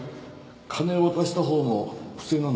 金を渡したほうも不正なんだからね。